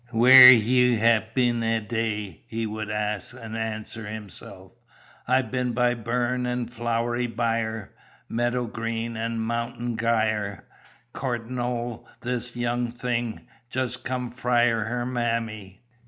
Where hye ye been a' dye? he would ask, and answer himself: I've been by burn and flowery brye, Meadow green an' mountain grye, Courtin' o' this young thing, Just come frye her mammie.